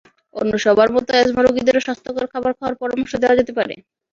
অন্য সবার মতো অ্যাজমা রোগীদেরও স্বাস্থ্যকর খাবার খাওয়ার পরামর্শ দেওয়া যেতে পারে।